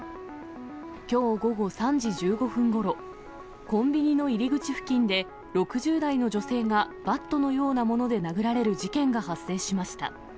きょう午後３時１５分ごろ、コンビニの入り口付近で、６０代の女性がバットのようなもので殴られる事件が発生しました。